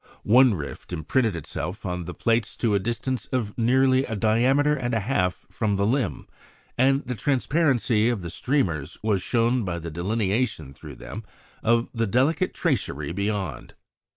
One rift imprinted itself on the plates to a distance of nearly a diameter and a half from the limb; and the transparency of the streamers was shown by the delineation through them of the delicate tracery beyond.